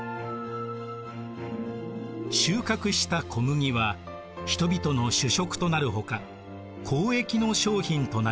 収穫した小麦は人々の主食となるほか交易の商品となりました。